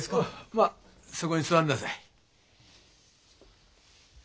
まあそこに座りなさい。